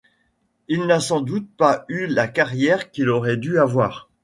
Il n'a sans doute pas eu la carrière qu'il aurait dû avoir.